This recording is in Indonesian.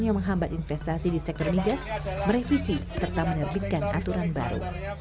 yang menghambat investasi di sektor migas merevisi serta menerbitkan aturan baru